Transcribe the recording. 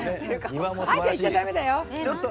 あーちゃん、言っちゃだめだよ。